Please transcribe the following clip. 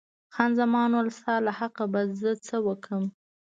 خان زمان وویل، ستا له حقه به زه څه وکړم.